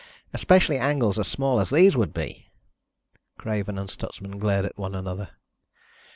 Especially angles as small as these would be." Craven and Stutsman glared at one another.